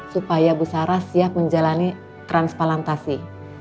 supaya bu sarah siap menjalani transplantasi